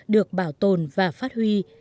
được bảo tồn và phát huy